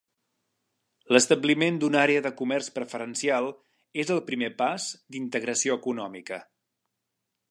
L'establiment d'una àrea de comerç preferencial és el primer pas d'integració econòmica.